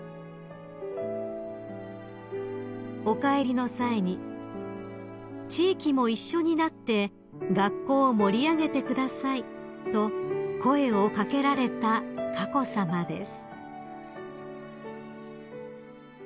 ［お帰りの際に「地域も一緒になって学校を盛り上げてください」と声を掛けられた佳子さまです］